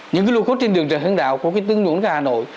những cái lô cốt trên đường trần sơn đạo của cái tướng dụng hà nội